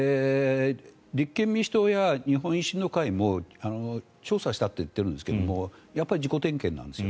立憲民主党や日本維新の会も調査したと言っているんですがやっぱり自己点検なんです。